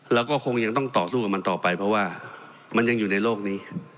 เราก็คงยังต้องต่อสู้กับมันต่อไปเพราะว่ามันยังอยู่ในโลกนี้